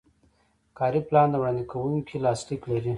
کاري پلان د وړاندې کوونکي لاسلیک لري.